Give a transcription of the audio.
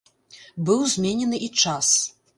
Быў зменены і час.